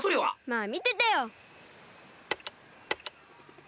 まあみててよ。